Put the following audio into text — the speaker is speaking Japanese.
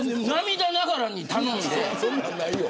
涙ながらに頼んで。